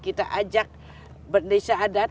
kita ajak desa adat